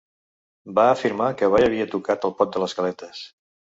Va afirmar que mai havia tocat el pot de les galetes.